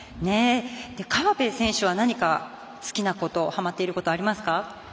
河辺選手は何か好きなことはまっていることありますか？